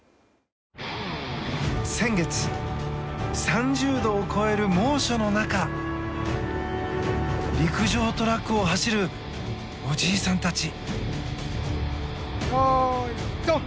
先月、３０度を超える猛暑の中陸上トラックを走るおじいさんたち。